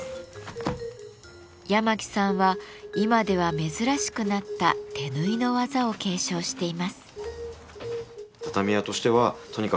八巻さんは今では珍しくなった手縫いの技を継承しています。